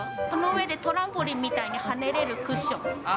この上でトランポリンみたいに跳ねるクッション。